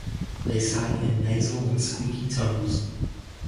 They sang in nasal and squeaky tones.